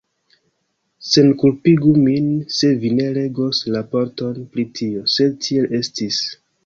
Senkulpigu min se vi ne legos raporton pri tio, sed tiel estis.